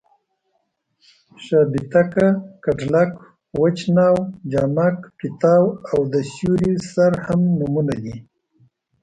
شابېتکه، کډلک، وچ ناو، جامک پېتاو او د سیوري سر هم نومونه دي.